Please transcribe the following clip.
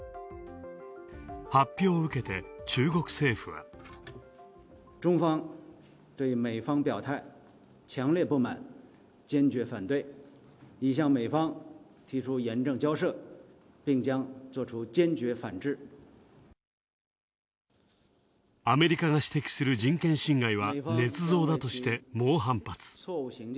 発表を受けて、中国政府は。アメリカが指摘する人権侵害は、ねつ造だとして猛反発。